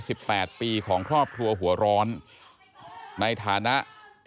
ไอ้แม่ได้เอาแม่ได้เอาแม่